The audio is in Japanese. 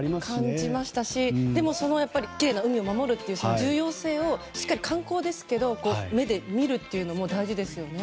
感じましたしきれいな海を守るという重要性をしっかりと、観光ですが目で見るというのも大事ですよね。